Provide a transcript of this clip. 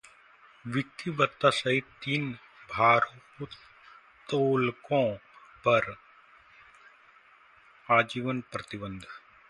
विक्की बत्ता सहित तीन भारोत्तोलकों पर आजीवन प्रतिबंध